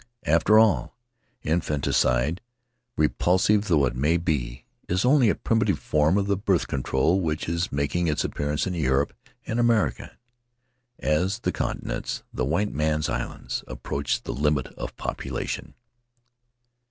After all, infanticide, repulsive though it may be, is only a primitive form of the birth control which is making its appearance in Europe and America, as the continents — the white man's islands — approach the limit of population.